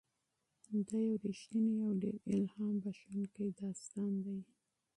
دا یو رښتینی او ډېر الهام بښونکی داستان دی.